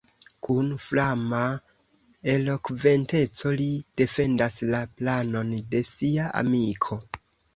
Kun flama elokventeco li defendas la planon de sia amiko.